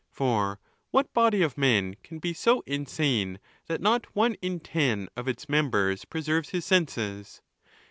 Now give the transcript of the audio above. For what body of men can be so insane, that not one in ten of its members preserves his senses?